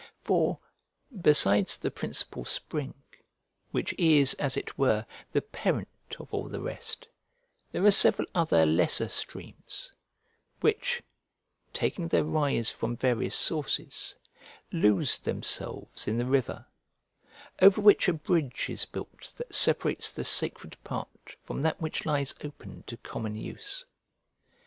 For, besides the principal spring, which is, as it were, the parent of all the rest, there are several other lesser streams, which, taking their rise from various sources, lose themselves in the river; over which a bridge is built that separates the sacred part from that which lies open to common use.